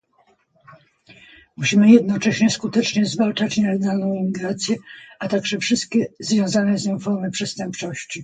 Musimy jednocześnie skutecznie zwalczać nielegalną imigrację, a także wszystkie związane z nią formy przestępczości